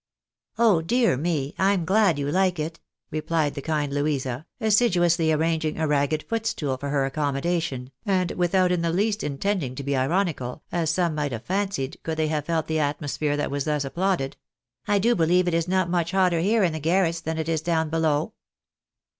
" Oh dear me ! I'm glad you like it !" replied the kind Louisa, assiduously arranging a ragged footstool for her accommodation, and without in the least intending to be ironical, as some might have fancied, could they have felt the atmosphere that was thus applauded. " I do believe it is not much hotter here in the garrets than it is down below."